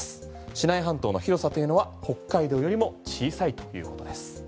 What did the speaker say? シナイ半島の広さというのは北海道よりも小さいということです。